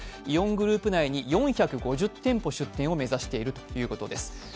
イオングループ内に４５０店舗出店を目指しているということです。